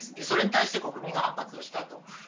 それに対して国民が反発した。